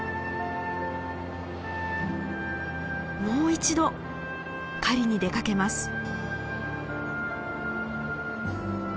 もう一度狩りに出かけます。